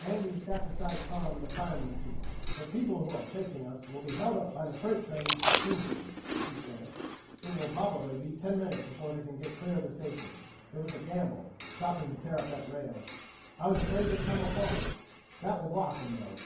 Andrews sat beside Tom in the fireman's seat. "The people who are chasing us will be held up by the freight trains at Kingston," he said. "It will probably be ten minutes before they can get clear of the station. It was a gamble, stopping to tear up that rail. I was afraid they'd come up on us. That will block them, though."